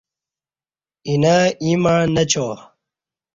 اینہ ایں مع نچا